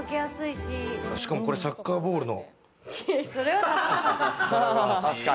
しかもこれサッカーボールの。